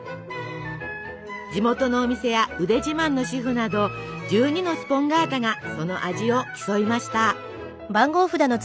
地元のお店や腕自慢の主婦など１２のスポンガータがその味を競いました。